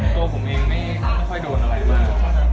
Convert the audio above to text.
ตัวผมเองไม่ค่อยโดนอะไรมาก